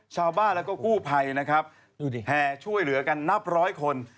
ชาวบ้านแล้วก็กู้ภัยนะครับแห่ช่วยเหลือกันนับร้อยคน